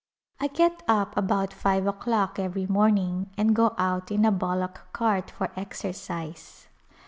I get up about five o'clock every morning and go out in a bullock cart for exercise.